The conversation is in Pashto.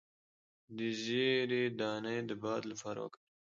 د زیرې دانه د باد لپاره وکاروئ